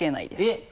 えっ！